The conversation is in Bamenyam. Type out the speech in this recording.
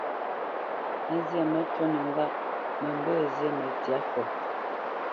A zyâ məcûnə ŋgâʼ: mə mbə̄ zînə ntsyâ fɔ.